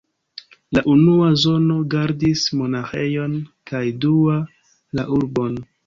La unua zono gardis monaĥejon kaj dua la urbon.